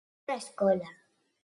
Na escola.